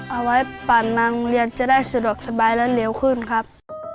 เอาไว้ปั่นนางเรียนจะได้สะดวกสบายและเร็วขึ้นครับ